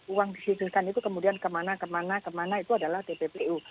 uang disiplinkan itu kemudian kemana kemana kemana itu adalah tppu